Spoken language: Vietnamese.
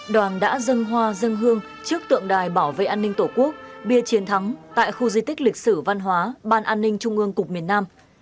đoàn đã dân hoa dân hương trước tượng đài bảo vệ an ninh tổ quốc bia chiến thắng tại khu di tích lịch sử văn hóa ban an ninh trung ương cục miền nam